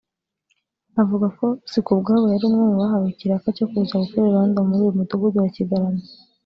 avuga ko Sikubwabo yari umwe mu bahawe ikiraka cyo kuza gukora irondo muri uyu Mudugudu wa Kigarama